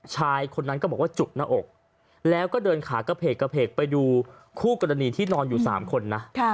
ชายคนนั้นก็บอกว่าจุกหน้าอกแล้วก็เดินขากระเพกกระเพกไปดูคู่กรณีที่นอนอยู่๓คนนะ